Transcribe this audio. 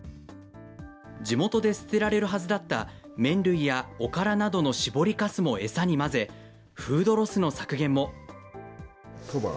地元で捨てられるはずだった麺類やおからなどの搾りかすも餌に混ぜ、フードロスの削減も。